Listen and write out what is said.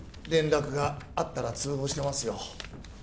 連絡があったら通報してますよ